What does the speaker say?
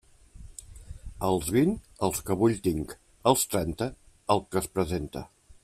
Als vint, els que vull tinc; als trenta, el que es presenta.